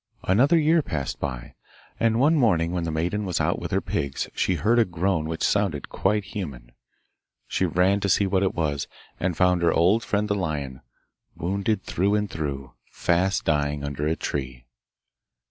Another year passed by, and one morning when the maiden was out with her pigs she heard a groan which sounded quite human. She ran to see what it was, and found her old friend the lion, wounded through and through, fast dying under a tree.